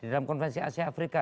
di dalam konvensi asia afrika